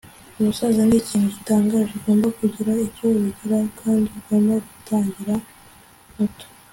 ubusaza nikintu gitangaje. ugomba kugira icyo ubigeraho kandi ugomba gutangira muto